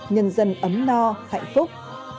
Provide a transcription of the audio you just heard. nhân ấm no hạnh phúc